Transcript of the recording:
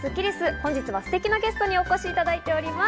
本日はステキなゲストにお越しいただいております。